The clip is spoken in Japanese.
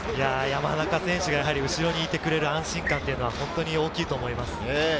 山中選手が後ろにいてくれる安心感は本当に大きいと思います。